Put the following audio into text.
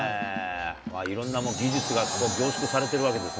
いろんな技術がすごい凝縮されているわけですね。